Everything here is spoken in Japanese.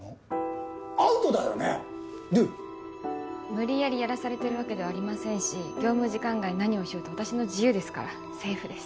無理やりやらされてるわけではありませんし業務時間外に何をしようと私の自由ですからセーフです。